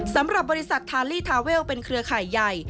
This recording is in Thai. สำหรับบริษัททาลีทาเวลเป็นเครือข่ายใหญ่